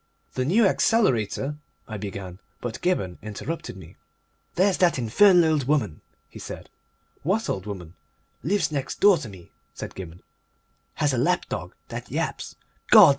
"The New Accelerator " I began, but Gibberne interrupted me. "There's that infernal old woman!" he said. "What old woman?" "Lives next door to me," said Gibberne. "Has a lapdog that yaps. Gods!